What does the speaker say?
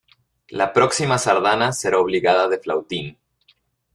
La próxima sardana será obligada de flautín.